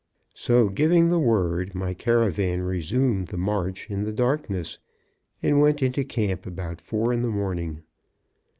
So giving the word, my caravan resumed the march in the darkness, and went into camp about four in the morning.